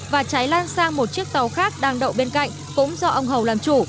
và cháy lan sang một chiếc tàu khác đang đậu bên cạnh cũng do ông hầu làm chủ